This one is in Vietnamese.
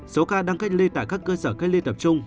số ca đang cách ly tại các cơ sở cách ly tập trung